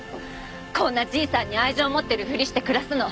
こんなじいさんに愛情持ってるふりして暮らすの。